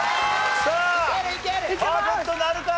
さあパーフェクトなるか？